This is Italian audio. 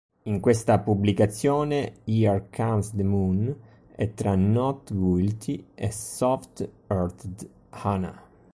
In questa pubblicazione, "Here Comes the Moon" è tra "Not Guilty" e "Soft-Hearted Hana".